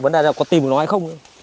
vấn đề là có tìm được nó hay không